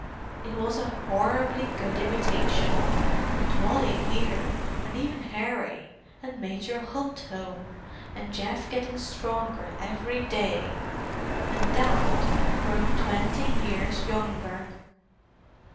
"It was a horribly good imitation. And Wally here, and even Harry; and Major Hunt home; and Geoff getting stronger every day. And Dad grown twenty years younger."